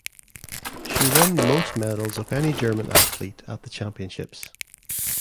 She won the most medals of any German athlete at the Championships.